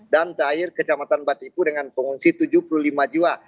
dan terakhir kecamatan batipu dengan pengungsi tujuh puluh lima jiwa